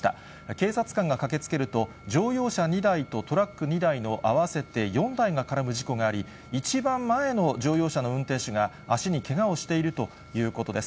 警察官が駆けつけると、乗用車２台とトラック２台の合わせて４台が絡む事故があり、一番前の乗用車の運転手が足にけがをしているということです。